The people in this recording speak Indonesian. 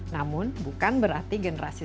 namun bukan berarti generasi